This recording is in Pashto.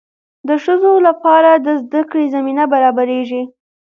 د ښځو لپاره د زده کړې زمینه برابریږي.